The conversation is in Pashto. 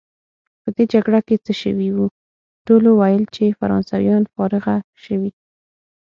په دې جګړه کې څه شوي وو؟ ټولو ویل چې فرانسویان فارغه شوي.